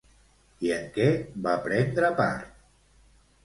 I en què va prendre part?